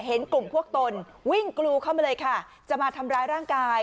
เห็นกลุ่มพวกตนวิ่งกรูเข้ามาเลยค่ะจะมาทำร้ายร่างกาย